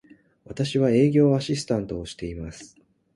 私は、営業アシスタントをしています。